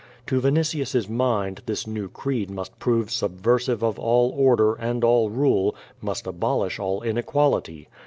To Vinitius's mind this new creed must prove subversive of all order, and all rule, must abolish all inequality.